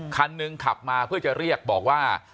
คันหนึ่งขับมาเพื่อจะเรียกบอกว่า